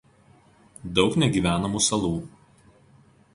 Daug negyvenamų salų.